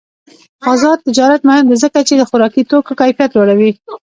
آزاد تجارت مهم دی ځکه چې د خوراکي توکو کیفیت لوړوي.